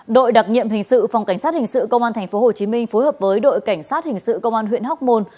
đội đặc nhiệm hình sự phòng cảnh sát hình sự công an tp hcm phối hợp với đội cảnh sát hình sự công an huyện hóc môn